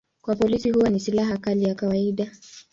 Kwa polisi huwa ni silaha kali ya kawaida.